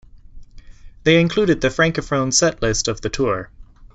They included the Francophone setlist of the tour.